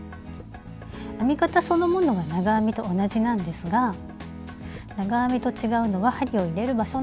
編み方そのものは長編みと同じなんですが長編みと違うのは針を入れる場所なんです。